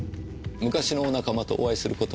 昔のお仲間とお会いする事は？